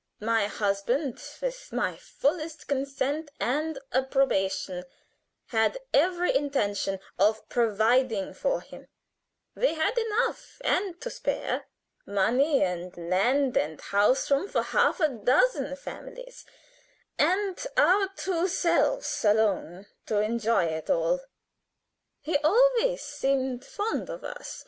My husband, with my fullest consent and approbation, had every intention of providing for him: we had enough and to spare: money and land and house room for half a dozen families, and our two selves alone to enjoy it all. He always seemed fond of us.